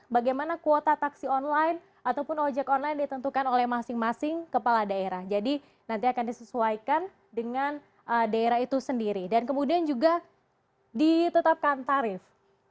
bagaimana kuota taksi online ataupun ojek online ditentukan oleh masing masing kepala daerah jadi nanti akan disesuaikan dengan daerah itu sendiri dan kemudian juga ditetapkan tarif